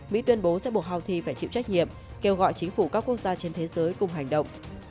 mỹ tuyên bố sẽ buộc houthi phải chịu trách nhiệm kêu gọi chính phủ các quốc gia trên thế giới cùng hành động